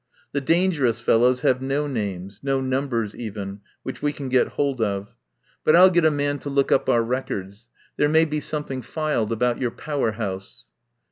The danger ous fellows have no names, no numbers even, which we can get hold of. But I'll get a man ioo THE TRAIL OF THE SUPER BUTLER to look up our records. There may be some thing filed about your Power House."